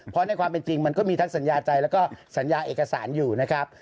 เพราะในความเป็นจริงมันก็มีทั้งสัญญาใจแล้วก็สัญญาเอกสารอยู่นะครับ